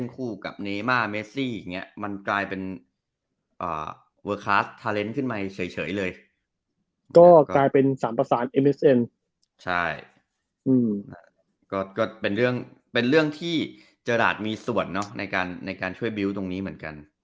ก็เป็นเรื่องเป็นเรื่องที่เจอราชมีส่วนเนอะในการช่วยบิวต์ตรงนี้เหมือนกัน